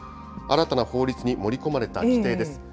新たな法律に盛り込まれた規定です。